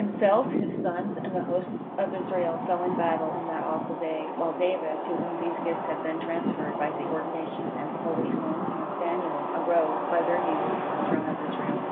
Himself, his sons, and the hosts of Israel, fell in battle in that awful day; while David, to whom these gifts had been transferred by the ordination and holy anointing of Samuel, arose by their use to the throne of Israel.